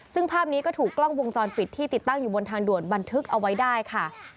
ซึ่งภาพนี้ก็ถูกกล้องวงจรปิดที่ติดตั้งอยู่บนทางด่วนบันทึกเอาไว้ได้ค่ะ